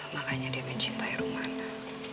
makanya dia mencintai romana